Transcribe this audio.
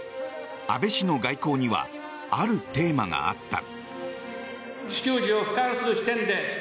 安倍氏の外交にはあるテーマがあった。